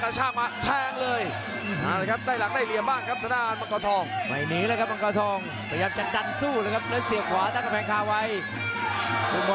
เจอที่สกัดอีกแล้วครับ